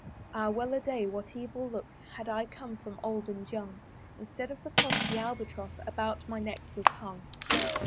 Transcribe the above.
Ah wel a day! what evil looks Had I from old and young; Instead of the Cross the Albatross About my neck was hung.